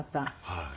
はい。